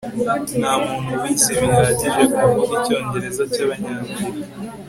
ntamuntu wize bihagije kuvuga icyongereza cyabanyamerika